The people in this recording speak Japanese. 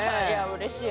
うれしい。